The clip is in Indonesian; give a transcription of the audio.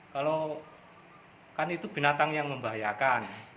kalau kan itu binatang yang membahayakan